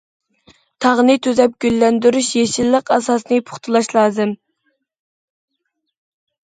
تاغنى تۈزەپ گۈللەندۈرۈش، يېشىللىق ئاساسىنى پۇختىلاش لازىم.